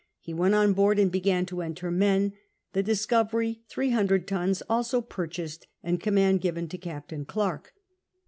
He went on board and began to enter men. Tlie Durovery^ tliree hundred tons, also pur chased, and cfinimand given to Ca]>t;iin Clerke.